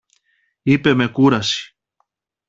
είπε με κούραση.